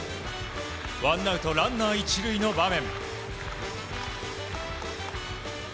ワンアウトランナー１塁の場面。